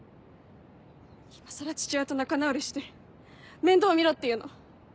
今更父親と仲直りして面倒見ろっていうの？